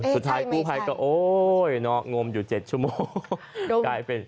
สุดท้ายกูภายก็โอ้ยเนาะงมอยู่๗ชั่วโมง